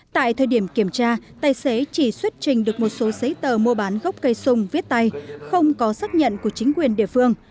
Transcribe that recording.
tại thời điểm kiểm tra tài xế chỉ xuất trình được một số giấy tờ mua bán gốc cây sung viết tay không có xác nhận của chính quyền địa phương